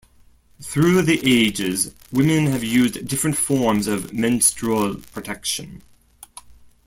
Through the ages women have used different forms of menstrual protection.